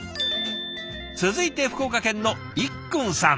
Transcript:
続いて福岡県のいっくんさん。